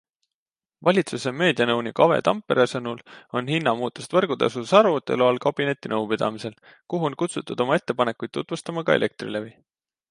Valitsuse meedianõuniku Ave Tampere sõnul on hinnamuutused võrgutasus arutelu all kabinetinõupidamisel, kuhu on kutsutud oma ettepanekuid tutvustama ka Elektrilevi.